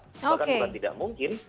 bahkan bukan tidak mungkin